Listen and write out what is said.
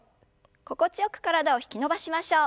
心地よく体を引き伸ばしましょう。